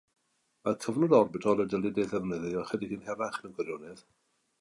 Mae'r cyfnod orbitol y dylid ei ddefnyddio ychydig yn hirach mewn gwirionedd.